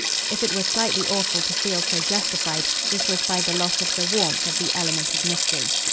If it was slightly awful to feel so justified, this was by the loss of the warmth of the element of mystery.